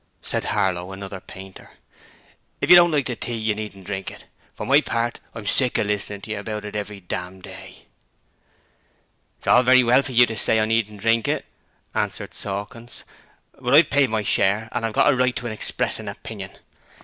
said Harlow, another painter. 'If you don't like the tea you needn't drink it. For my part, I'm sick of listening to you about it every damn day.' 'It's all very well for you to say I needn't drink it,' answered Sawkins, 'but I've paid my share an' I've got a right to express an opinion.